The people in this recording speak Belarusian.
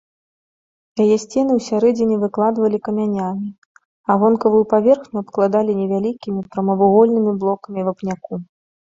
Яе сцены ў сярэдзіне выкладвалі камянямі, а вонкавую паверхню абкладалі невялікімі прамавугольнымі блокамі вапняку.